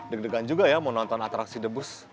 deg degan juga ya mau nonton atraksi debus